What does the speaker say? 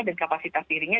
dan kapasitas dirinya